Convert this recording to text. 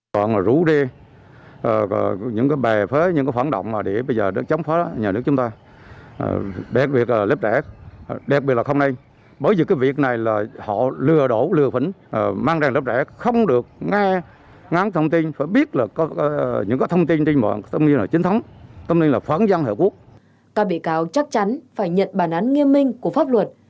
các vị cáo chắc chắn phải nhận bản án nghiêm minh của pháp luật